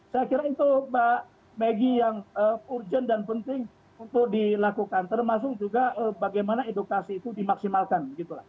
saya kira itu mbak maggie yang urgent dan penting untuk dilakukan termasuk juga bagaimana edukasi itu dimaksimalkan